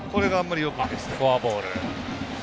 フォアボール。